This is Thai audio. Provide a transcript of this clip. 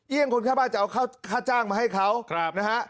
เอี่ยงคนข้างบ้านจะเอาค่าจ้างมาให้เขานะฮะ